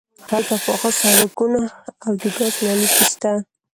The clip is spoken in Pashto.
هلته پاخه سړکونه او د ګاز نل لیکې شته